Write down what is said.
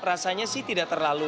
rasanya sih tidak terlalu